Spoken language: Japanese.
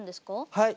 はい。